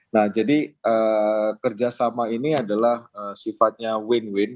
nah jadi kerjasama ini adalah sifatnya win win